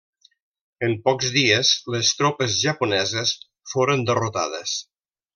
En pocs dies, les tropes japoneses foren derrotades.